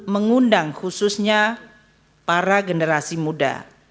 mengundang khususnya para generasi muda